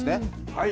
はい。